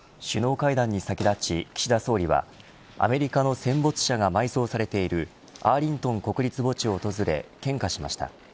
首脳会談に先立ち、岸田総理はアメリカの戦没者が埋葬されているアーリントン国立墓地を訪れ献花しました。